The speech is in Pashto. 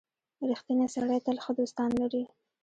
• رښتینی سړی تل ښه دوستان لري.